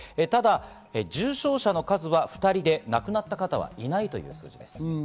ただ重症者の数は２人で、亡くなった方はいないということです。